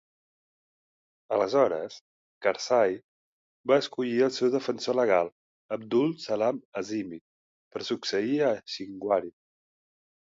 Aleshores Karzai va escollir el seu defensor legal, Abdul Salam Azimi, per succeir a Shinwari.